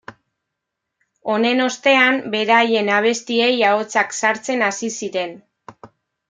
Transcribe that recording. Honen ostean, beraien abestiei ahotsak sartzen hasi ziren.